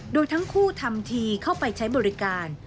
โดยทั้งคู่ทำทีเข้าไปใช้บริการ